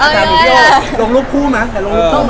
โชคดีค่ะลงรูปพูมั้ย